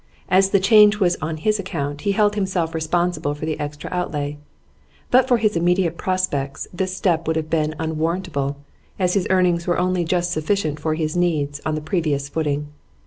As the change was on his account he held himself responsible for the extra outlay. But for his immediate prospects this step would have been unwarrantable, as his earnings were only just sufficient for his needs on the previous footing.